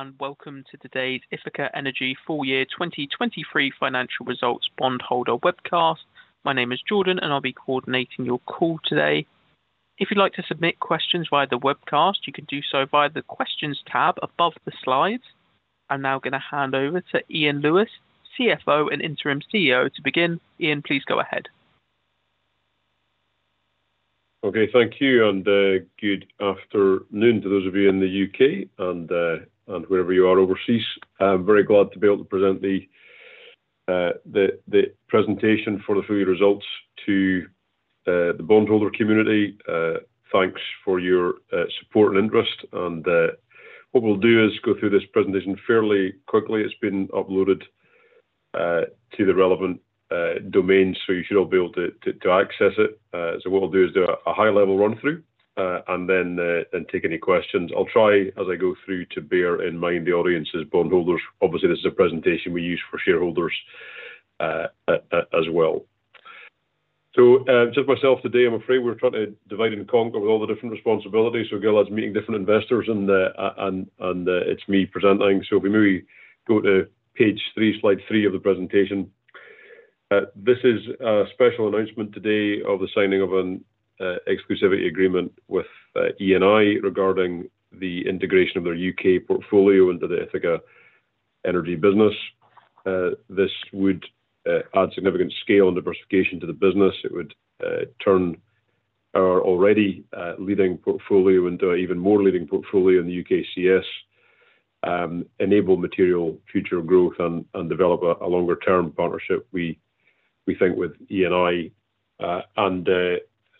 Hello and welcome to today's Ithaca Energy Full year 2023 Financial Results bondholder webcast. My name is Jordan and I'll be coordinating your call today. If you'd like to submit questions via the webcast, you can do so via the questions tab above the slides. I'm now going to hand over to Iain Lewis, CFO and Interim CEO. To begin, Iain please go ahead. Okay, thank you and good afternoon to those of you in the U.K. and wherever you are overseas. I'm very glad to be able to present the presentation for the full year results to the bondholder community. Thanks for your support and interest. And what we'll do is go through this presentation fairly quickly. It's been uploaded to the relevant domain so you should all be able to access it. So what we'll do is do a high-level run-through and then take any questions. I'll try, as I go through, to bear in mind the audience's bondholders. Obviously, this is a presentation we use for shareholders as well. So just myself today, I'm afraid we're trying to divide and conquer with all the different responsibilities. So Gilad's meeting different investors and it's me presenting. So if we may go to page three, slide three of the presentation. This is a special announcement today of the signing of an exclusivity agreement with Eni regarding the integration of their U.K. portfolio into the Ithaca Energy business. This would add significant scale and diversification to the business. It would turn our already leading portfolio into an even more leading portfolio in the UKCS, enable material future growth, and develop a longer-term partnership, we think, with Eni.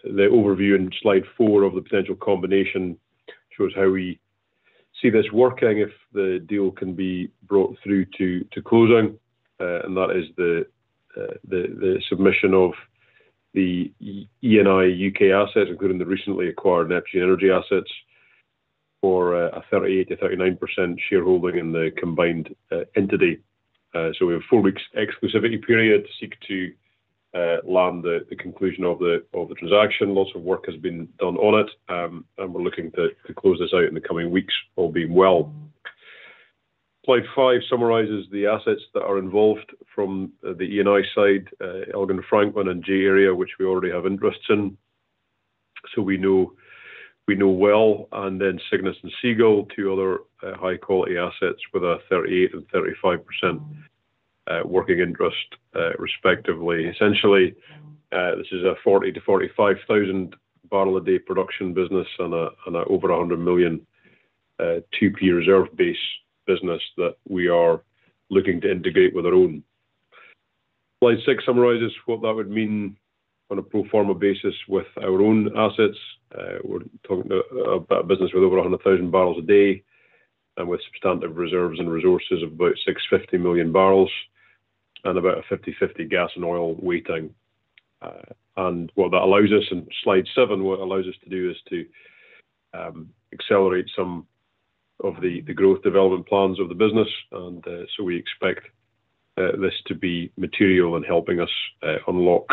The overview in slide four of the potential combination shows how we see this working if the deal can be brought through to closing. That is the submission of the Eni U.K. assets, including the recently acquired Neptune Energy assets, for a 38%-39% shareholding in the combined entity. We have a four-week exclusivity period to seek to land the conclusion of the transaction. Lots of work has been done on it. We're looking to close this out in the coming weeks, all being well. Slide five summarizes the assets that are involved from the Eni side, Elgin-Franklin and J-Area, which we already have interests in. So we know well. And then Cygnus and Seagull, two other high-quality assets with a 38% and 35% working interest, respectively. Essentially, this is a 40-45 thousand barrels a day production business and over 100 million 2P reserves base business that we are looking to integrate with our own. Slide six summarizes what that would mean on a pro forma basis with our own assets. We're talking about a business with over 100,000 barrels a day and with substantive reserves and resources of about 650 million barrels and about a 50/50 gas and oil weighting. What that allows us in slide seven, what it allows us to do is to accelerate some of the growth development plans of the business. So we expect this to be material in helping us unlock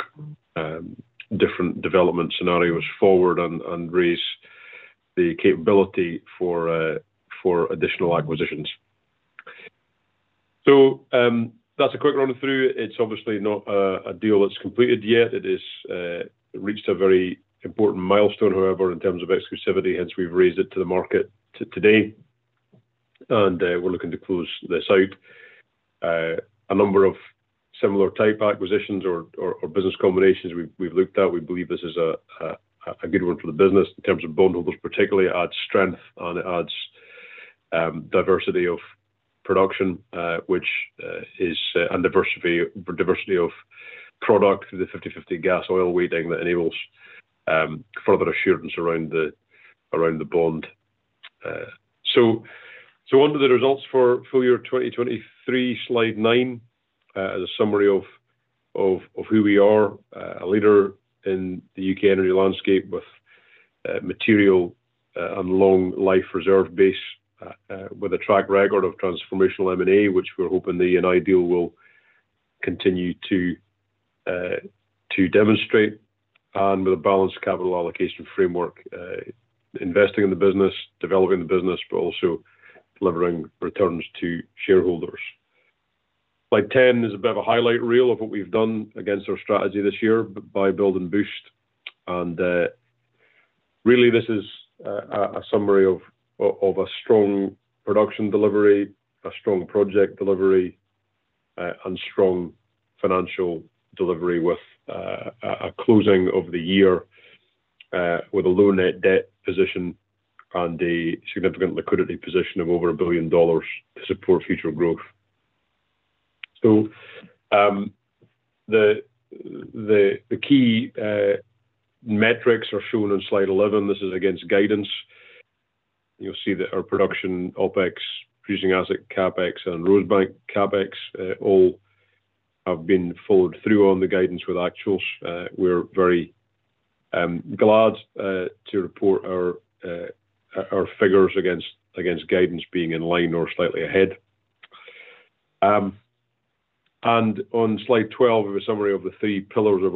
different development scenarios forward and raise the capability for additional acquisitions. So that's a quick run-through. It's obviously not a deal that's completed yet. It has reached a very important milestone, however, in terms of exclusivity. Hence, we've raised it to the market today. We're looking to close this out. A number of similar type acquisitions or business combinations we've looked at, we believe this is a good one for the business in terms of bondholders particularly. It adds strength and it adds diversity of production, which is diversity of product through the 50/50 gas oil weighting that enables further assurance around the bond. So under the results for full year 2023, slide nine is a summary of who we are, a leader in the U.K. energy landscape with material and long-life reserve base, with a track record of transformational M&A, which we're hoping the Eni deal will continue to demonstrate, and with a balanced capital allocation framework, investing in the business, developing the business, but also delivering returns to shareholders. Slide 10 is a bit of a highlight reel of what we've done against our strategy this year Buy, Build and Boost. And really, this is a summary of a strong production delivery, a strong project delivery, and strong financial delivery with a closing of the year with a low net debt position and a significant liquidity position of over $1 billion to support future growth. So the key metrics are shown on slide 11. This is against guidance. You'll see that our production OpEx, producing asset CapEx, and Rosebank CapEx all have been followed through on the guidance with actuals. We're very glad to report our figures against guidance being in line or slightly ahead. And on slide 12, a summary of the three pillars of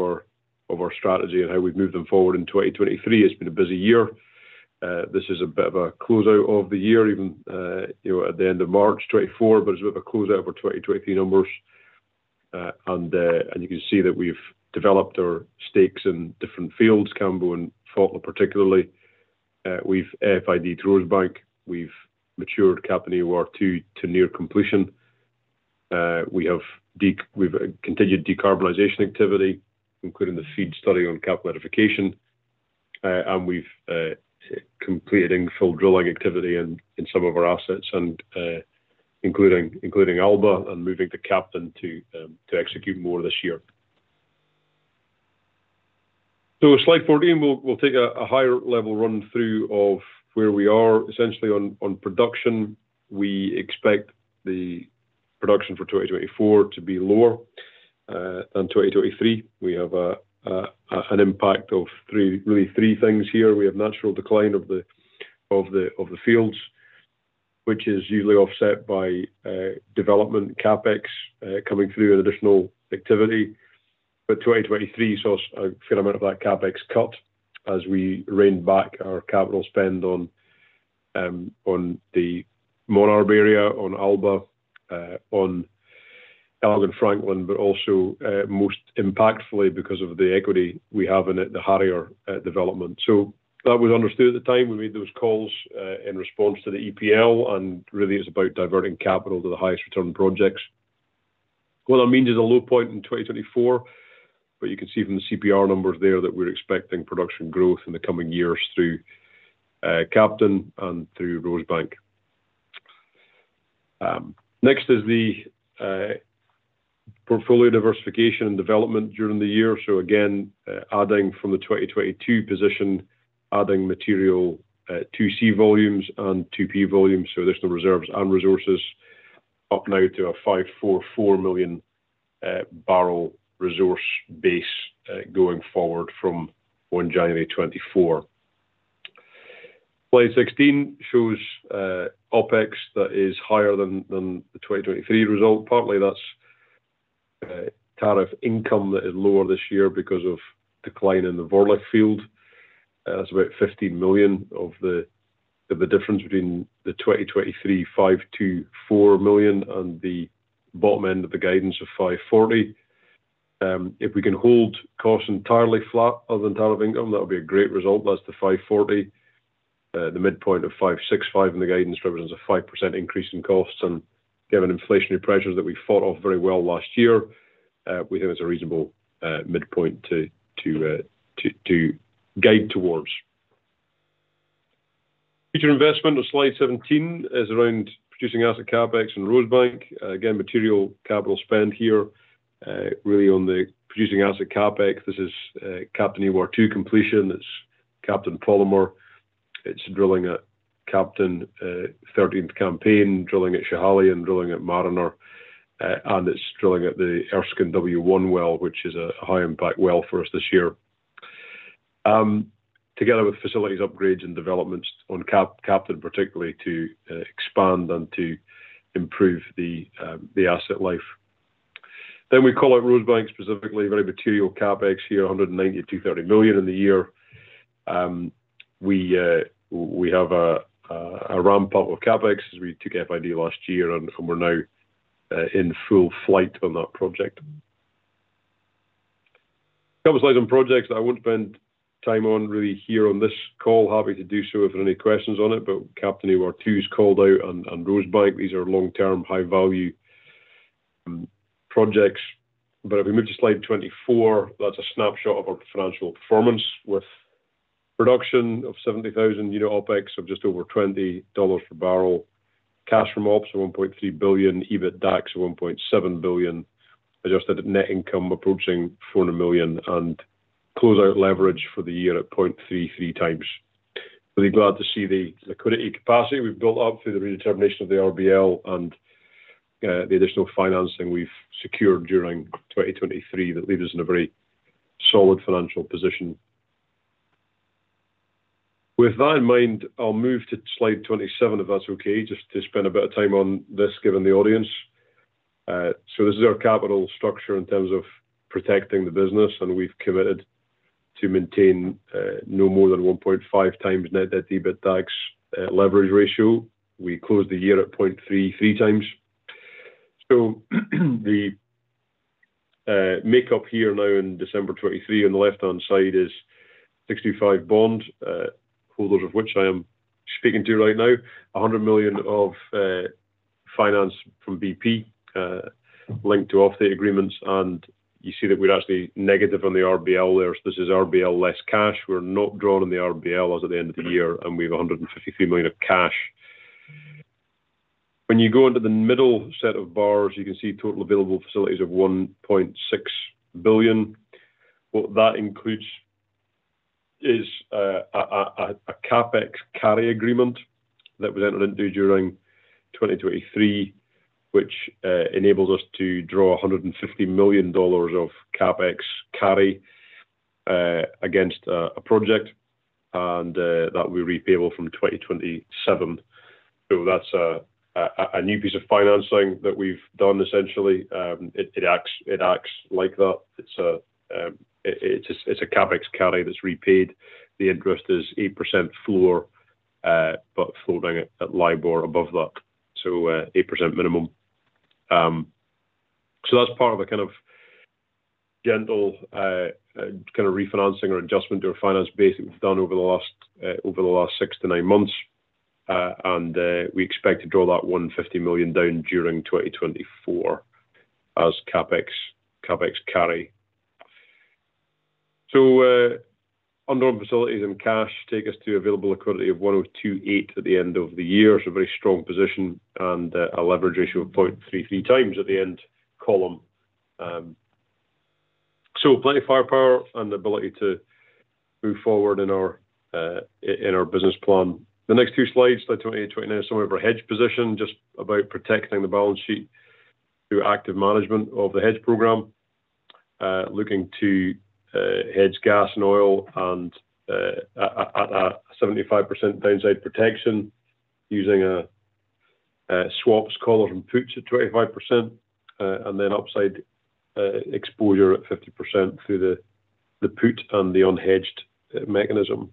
our strategy and how we've moved them forward in 2023. It's been a busy year. This is a bit of a closeout of the year, even at the end of March 2024, but it's a bit of a closeout of our 2023 numbers. And you can see that we've developed our stakes in different fields, Cambo and Fotla particularly. We've FID to Rosebank. We've matured Captain EOR2 to near completion. We've continued decarbonization activity, including the FEED study on Captain electrification. We've completed infill drilling activity in some of our assets, including Alba and moving the CapEx to execute more this year. Slide 14, we'll take a higher-level run-through of where we are. Essentially, on production, we expect the production for 2024 to be lower than 2023. We have an impact of really three things here. We have natural decline of the fields, which is usually offset by development CapEx coming through and additional activity. But 2023 saw a fair amount of that CapEx cut as we reined back our capital spend on the MonArb area, on Alba, on Elgin-Franklin, but also most impactfully because of the equity we have in the Harrier development. So that was understood at the time. We made those calls in response to the EPL. Really, it's about diverting capital to the highest return projects. What that means is a low point in 2024, but you can see from the CPR numbers there that we're expecting production growth in the coming years through Captain and through Rosebank. Next is the portfolio diversification and development during the year. So again, adding from the 2022 position, adding material 2C volumes and 2P volumes. So additional reserves and resources up now to a 544 million barrel resource base going forward from 1 January 2024. Slide 16 shows OpEx that is higher than the 2023 result. Partly, that's tariff income that is lower this year because of decline in the Vorlich field. That's about $15 million of the difference between the 2023 $524 million and the bottom end of the guidance of $540 million. If we can hold costs entirely flat other than tariff income, that would be a great result. That's the $540 million. The midpoint of 565 in the guidance represents a 5% increase in costs. And given inflationary pressures that we fought off very well last year, we think it's a reasonable midpoint to guide towards. Future investment on slide 17 is around producing asset CapEx and Rosebank. Again, material capital spend here. Really, on the producing asset CapEx, this is Captain EOR2 completion. It's Captain Polymer. It's drilling at Captain 13th Campaign, drilling at Schiehallion, and drilling at Mariner. And it's drilling at the Erskine W1 well, which is a high-impact well for us this year, together with facilities upgrades and developments on Captain, particularly to expand and to improve the asset life. Then we call out Rosebank specifically, very material CapEx here, $190 million-$230 million in the year. We have a ramp-up of CapEx as we took FID last year, and we're now in full flight on that project. A couple of slides on projects that I won't spend time on really here on this call, happy to do so if there are any questions on it. But Captain EOR2 is called out and Rosebank, these are long-term, high-value projects. But if we move to slide 24, that's a snapshot of our financial performance with production of 70,000 BOE, unit OpEx of just over $20 per barrel, cash from ops of $1.3 billion, EBITDAX of $1.7 billion, adjusted net income approaching $400 million, and closeout leverage for the year at 0.33x. Really glad to see the liquidity capacity we've built up through the redetermination of the RBL and the additional financing we've secured during 2023 that leaves us in a very solid financial position. With that in mind, I'll move to slide 27 if that's okay, just to spend a bit of time on this given the audience. So this is our capital structure in terms of protecting the business. And we've committed to maintain no more than 1.5x net debt EBITDAX leverage ratio. We closed the year at 0.33x. So the makeup here now in December 2023 on the left-hand side is $65 million bond, holders of which I am speaking to right now, $100 million of finance from BP linked to offtake agreements. And you see that we're actually negative on the RBL there. So this is RBL less cash. We're not drawn in the RBL as at the end of the year. And we have $153 million of cash. When you go into the middle set of bars, you can see total available facilities of $1.6 billion. What that includes is a CapEx carry agreement that was entered into during 2023, which enables us to draw $150 million of CapEx carry against a project that is repayable from 2027. So that's a new piece of financing that we've done, essentially. It acts like that. It's a CapEx carry that's repaid. The interest is 8% floor, but floating at LIBOR above that. So 8% minimum. So that's part of the kind of gentle kind of refinancing or adjustment to our finance base that we've done over the last six to nine months. And we expect to draw that $150 million down during 2024 as CapEx carry. So undrawn facilities and cash take us to available liquidity of $1,028 million at the end of the year. So a very strong position and a leverage ratio of 0.33 times at year-end. So plenty of firepower and the ability to move forward in our business plan. The next two slides, slide 28 and 29, are somewhat of our hedge position, just about protecting the balance sheet through active management of the hedge program, looking to hedge gas and oil at a 75% downside protection using a swaps collar from puts at 25% and then upside exposure at 50% through the put and the unhedged mechanism.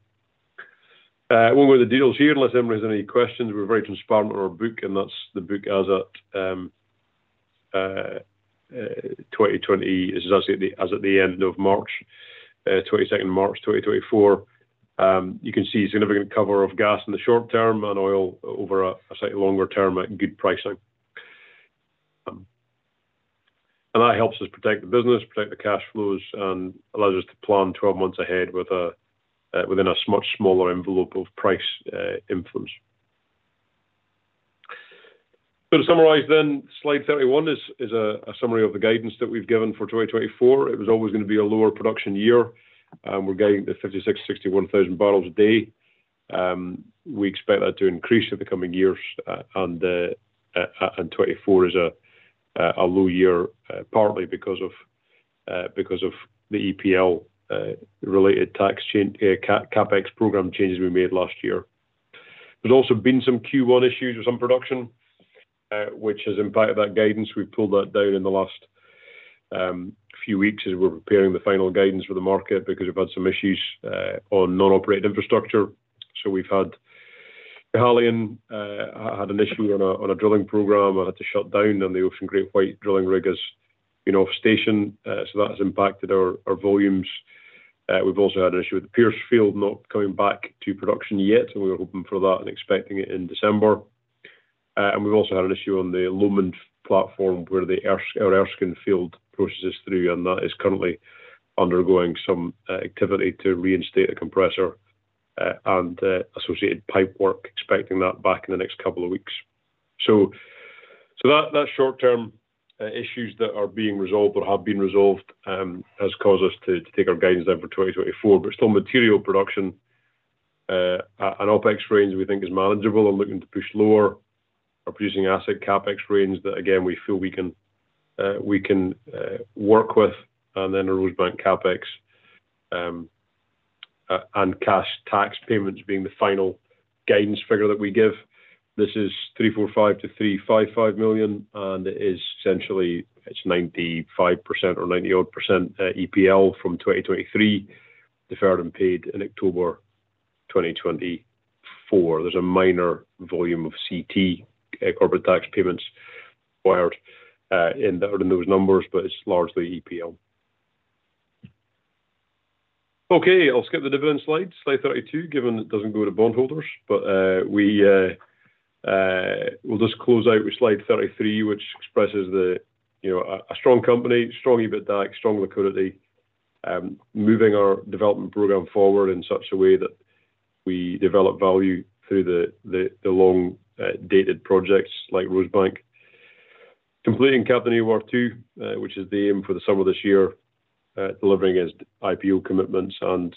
When we're with the deals here, unless Emily has any questions, we're very transparent on our book. And that's the book as at 2020. This is actually as at the end of March, 22nd March 2024. You can see significant cover of gas in the short term and oil over a slightly longer term at good pricing. And that helps us protect the business, protect the cash flows, and allows us to plan 12 months ahead within a much smaller envelope of price influence. So to summarise then, slide 31 is a summary of the guidance that we've given for 2024. It was always going to be a lower production year. We're guiding at 56,000-61,000 barrels a day. We expect that to increase in the coming years. And 2024 is a low year partly because of the EPL-related tax change, CapEx program changes we made last year. There's also been some Q1 issues with some production, which has impacted that guidance. We've pulled that down in the last few weeks as we're preparing the final guidance for the market because we've had some issues on non-operated infrastructure. So Schiehallion had an issue on a drilling program and had to shut down. And the Ocean GreatWhite drilling rig has been off-station. So that has impacted our volumes. We've also had an issue with the Pierce field not coming back to production yet. And we were hoping for that and expecting it in December. And we've also had an issue on the Lomond platform where our Erskine field processes through. And that is currently undergoing some activity to reinstate the compressor and associated pipework, expecting that back in the next couple of weeks. So that's short-term issues that are being resolved or have been resolved has caused us to take our guidance down for 2024. But still, material production, an OpEx range we think is manageable and looking to push lower. Our producing asset CapEx range that, again, we feel we can work with. And then a Rosebank CapEx and cash tax payments being the final guidance figure that we give. This is $345 million-$355 million. It is essentially it's 95% or 90-odd% EPL from 2023 deferred and paid in October 2024. There's a minor volume of CT, corporate tax payments required in those numbers, but it's largely EPL. Okay. I'll skip the dividend slide, slide 32, given it doesn't go to bondholders. But we'll just close out with slide 33, which expresses a strong company, strong EBITDAX, strong liquidity, moving our development program forward in such a way that we develop value through the long-dated projects like Rosebank. Completing Captain EOR2, which is the aim for the summer this year, delivering as IPO commitments and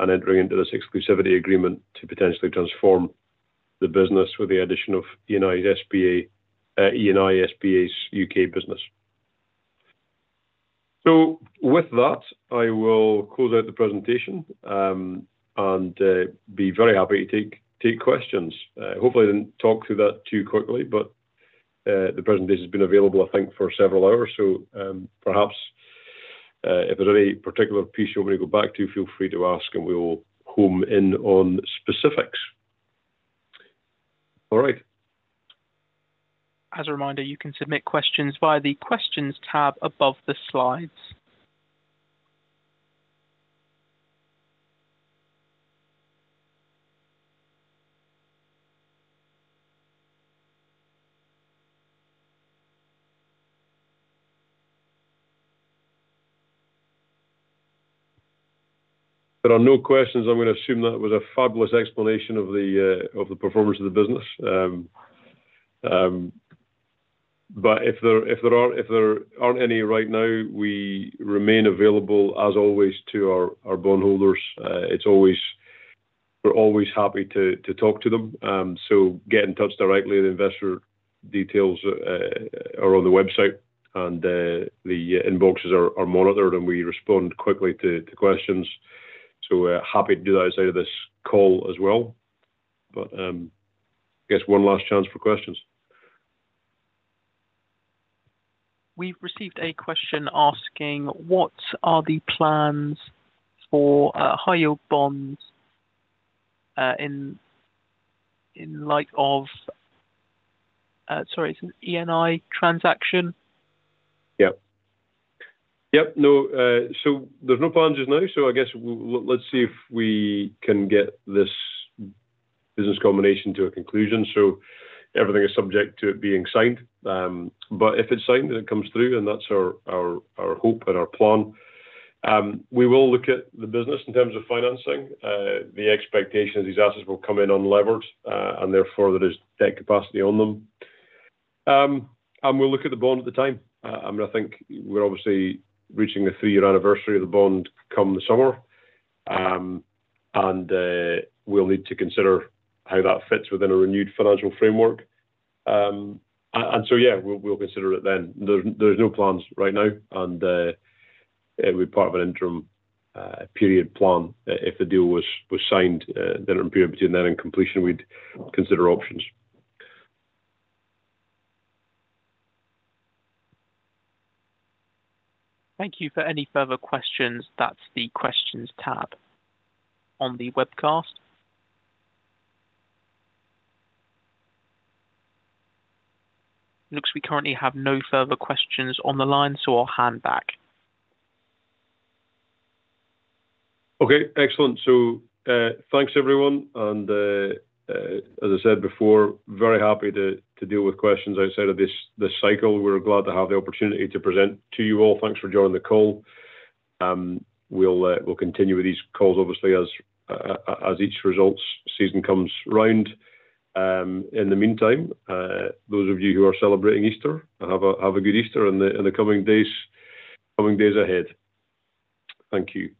entering into this exclusivity agreement to potentially transform the business with the addition of Eni S.p.A., Eni S.p.A.'s U.K. business. So with that, I will close out the presentation and be very happy to take questions. Hopefully, I didn't talk through that too quickly, but the presentation has been available, I think, for several hours. So perhaps if there's any particular piece you want me to go back to, feel free to ask, and we'll hone in on specifics. All right. As a reminder, you can submit questions via the questions tab above the slides. If there are no questions, I'm going to assume that was a fabulous explanation of the performance of the business. But if there aren't any right now, we remain available as always to our bondholders. We're always happy to talk to them. So get in touch directly. The investor details are on the website. The inboxes are monitored, and we respond quickly to questions. So happy to do that outside of this call as well. But I guess one last chance for questions. We've received a question asking, "What are the plans for high-yield bonds in light of" sorry, is it an Eni transaction? Yep. Yep. No. So there's no plans just now. So I guess let's see if we can get this business combination to a conclusion. So everything is subject to it being signed. But if it's signed and it comes through, and that's our hope and our plan, we will look at the business in terms of financing. The expectation is these assets will come in unlevered, and therefore, there is debt capacity on them. And we'll look at the bond at the time. I mean, I think we're obviously reaching the three-year anniversary of the bond come the summer. And we'll need to consider how that fits within a renewed financial framework. And so, yeah, we'll consider it then. There's no plans right now. And it would be part of an interim period plan. If the deal was signed, then in the period between then and completion, we'd consider options. Thank you. For any further questions, that's the questions tab on the webcast. It looks we currently have no further questions on the line, so I'll hand back. Okay. Excellent. So thanks, everyone. And as I said before, very happy to deal with questions outside of this cycle. We're glad to have the opportunity to present to you all. Thanks for joining the call. We'll continue with these calls, obviously, as each results season comes round. In the meantime, those of you who are celebrating Easter, have a good Easter in the coming days ahead. Thank you.